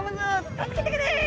「助けてくれ！」